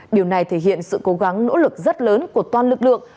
điều này thể hiện sự cố gắng nỗ lực rất lớn của toàn lực lượng